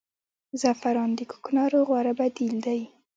زعفران د کوکنارو غوره بدیل دی